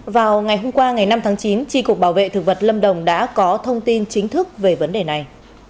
vào ngày hôm qua ngày năm tháng chín tri cục bảo vệ thực vật lâm đồng đã có thông tin chính thức về vấn đề này